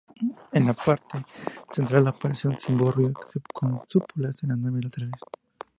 En la parte central aparece un cimborrio y cúpulas en las naves laterales.